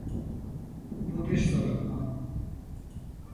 Bu bir sorun mu?